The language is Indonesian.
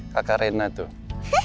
kakak rena tuh